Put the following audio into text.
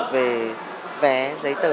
về vé giấy tờ